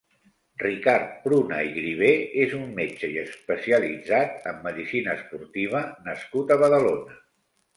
Ricard Pruna i Grivé és un metge i especialitzat en medicina esportiva nascut a Badalona.